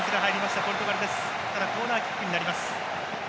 ただコーナーキックになります。